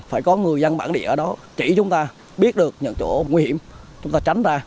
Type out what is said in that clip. phải có người dân bản địa ở đó chỉ chúng ta biết được những chỗ nguy hiểm chúng ta tránh ra